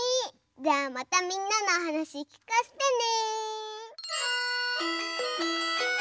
じゃあまたみんなのはなしきかせてね！